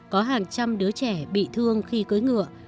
có hàng trăm đứa trẻ bị thương khi cưới ngựa